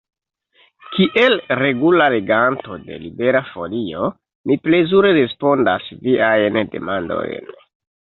Kiel regula leganto de Libera Folio, mi plezure respondas viajn demandojn.